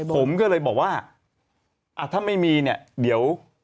ผมก็เลยบอกว่าถ้าไม่มีเนี่ยเดี๋ยว